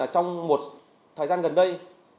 trong một thời gian gần đây